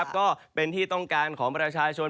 ก็เป็นที่ต้องการของประชาชน